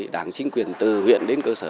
đảng chính quyền từ huyện đến cơ sở